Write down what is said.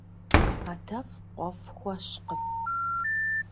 Адэфӏ къуэфӏ хуэщкъым.